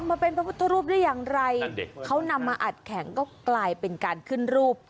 มาเป็นพระพุทธรูปได้อย่างไรเขานำมาอัดแข็งก็กลายเป็นการขึ้นรูป